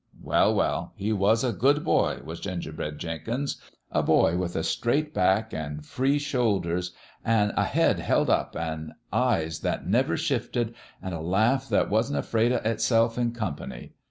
Well, well ! he was a good boy, was Gingerbread Jenkins a boy with a straight back, an' free shoulders, an' a head held up, an' eyes that never shifted, an' a laugh that wasn't afraid of itself in company.